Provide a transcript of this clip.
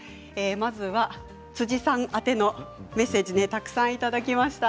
まずは辻さんあてのメッセージたくさんいただきました。